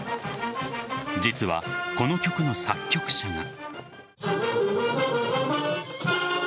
実は、この曲の作曲者が。